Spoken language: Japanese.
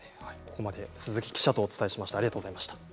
ここまで鈴木記者とお伝えしました。